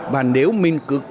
và nếu mình cứ